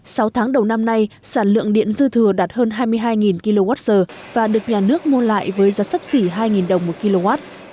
sau tháng đầu năm nay sản lượng điện dư thừa đạt hơn hai mươi hai kwh và được nhà nước mua lại với giá sấp xỉ hai đồng một kw